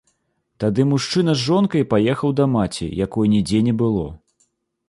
Тады мужчына з жонкай паехаў да маці, якой нідзе не было.